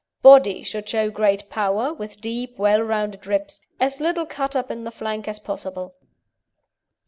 BODY Should show great power, with deep, well rounded ribs. As little cut up in the flank as possible.